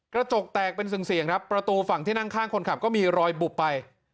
กระจกแตกเป็นเสี่ยงครับประตูฝั่งที่นั่งข้างคนขับก็มีรอยบุบไป